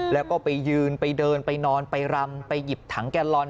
แล้วก็ไปยืนไปเดินไปนอนไปรำไปหยิบถังแกลลอน